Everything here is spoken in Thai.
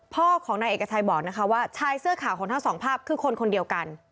พ่อของนายเอกชัยบอกนะคะว่าชายเสื้อขาวของทั้งสองภาพคือคนคนเดียวกัน